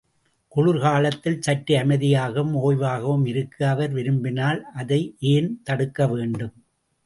குளிர்காலத்தில் சற்று அமைதியாகவும் ஓய்வாகவும் இருக்க அவர் விரும்பினால், அதை ஏன் தடுக்க வேண்டும்?